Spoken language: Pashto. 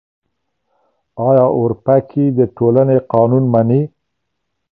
آيا اورپکي د ټولنې قانون مني؟